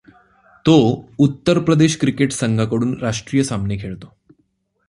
तो उत्तर प्रदेश क्रिकेट संघाकडून राष्ट्रीय सामने खेळतो.